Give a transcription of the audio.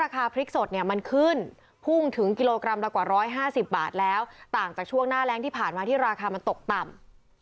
ขึ้นพุ่งถึงกิโลกรัมละกว่าร้อยห้าสิบบาทแล้วต่างจากช่วงหน้าแรงที่ผ่านมาที่ราคามันตกต่ำ